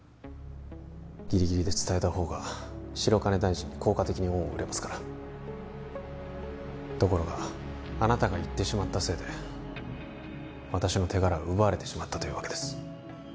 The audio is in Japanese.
ギリギリで伝えた方が白金大臣に効果的に恩を売れますからところがあなたが言ってしまったせいで私の手柄が奪われてしまったというわけです